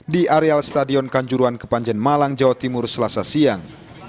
di areal stadion kanjuruan kepanjen malang jawa timur selasa siang